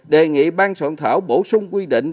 đề nghị bang soạn thảo bổ sung quy định